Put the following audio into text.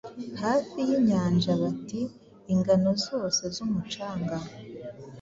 Hafi yinyanja Bati 'Ingano zose z'umucanga,